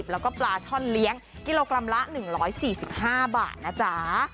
แล้วก็ปลาช่อนเลี้ยงกิโลกรัมละ๑๔๕บาทนะจ๊ะ